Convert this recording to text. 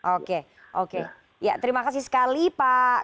oke oke ya terima kasih sekali pak